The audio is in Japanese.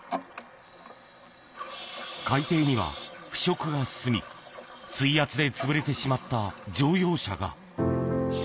海底には腐食が進み、水圧でつぶれてしまった乗用車が。